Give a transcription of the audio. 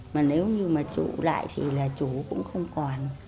mà nếu như mà trụ lại thì là chủ cũng không còn